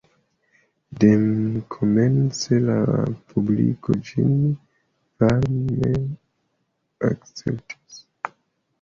Dekomence la publiko ĝin varme akceptis.